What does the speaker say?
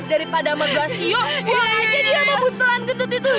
daripada sama blasio buang aja dia sama butuhan gendut itu